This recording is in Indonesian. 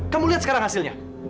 kamu lihat sekarang hasilnya